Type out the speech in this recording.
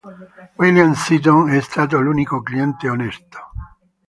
William Seaton è stato l'unico cliente onesto...